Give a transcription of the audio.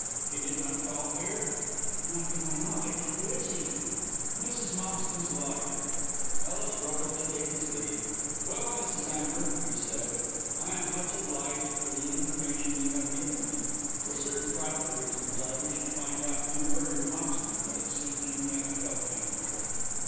"He did not call here?" "Not to my knowledge. Who is he?" "Mrs. Moxton's lawyer." Ellis rose to take his leave. "Well, Mrs. Amber," he said, "I am much obliged for the information you have given me. For certain private reasons I wish to find out who murdered Moxton, but it seems you cannot help me."